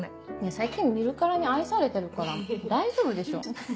最近見るからに愛されてるから大丈夫でしょ。